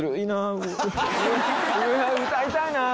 歌いたいなぁ。